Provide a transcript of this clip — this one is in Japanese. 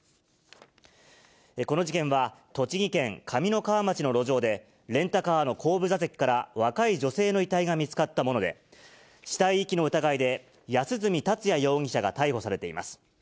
この事件は、栃木県上三川町の路上で、レンタカーの後部座席から若い女性の遺体が見つかったもので、死体遺棄の疑いで安栖達也容疑者が逮捕されています。